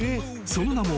［その名も］